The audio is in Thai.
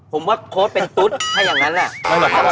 ผมว่าโค้ดเป็นตุ๊ดถ้าอย่างนั้นแหละ